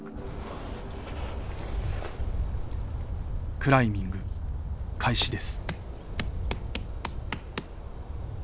クライミング開始です。